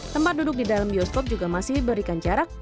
tempat duduk di dalam bioskop juga masih diberikan jarak